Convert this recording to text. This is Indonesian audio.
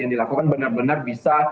yang dilakukan benar benar bisa